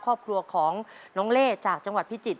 ครอบครัวของน้องเล่จากจังหวัดพิจิตร